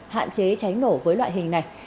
hạn chế cháy nổ với loại hình này